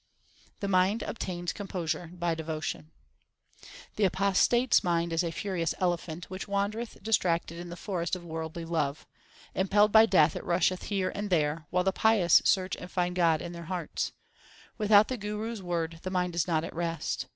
The mind obtains composure by devotion : The apostate s mind is a furious elephant Which wandereth distracted in the forest of worldly love. Impelled by Death it rusheth here and there, While the pious search and find God in their hearts. Without the Guru s word the mind is not at rest.